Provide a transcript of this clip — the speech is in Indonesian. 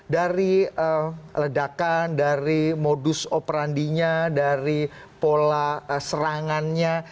dari ledakan dari modus operandinya dari pola serangannya